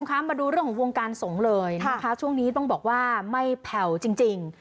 คะมาดูเรื่องของวงการสงฆ์เลยนะคะช่วงนี้ต้องบอกว่าไม่แผ่วจริง